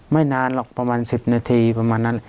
ไม่นานหรอกประมาณ๑๐นาทีประมาณนั้น